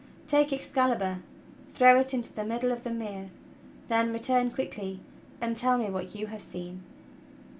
Take Excalibur, throw it into the middle of the mere, then retunn quickly and tell me what you have seen."